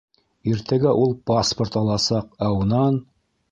Иртәгә ул паспорт аласаҡ, ә унан...